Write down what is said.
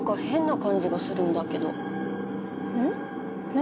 何？